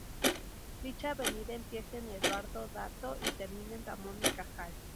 Dicha avenida empieza en Eduardo Dato y termina en Ramón y Cajal.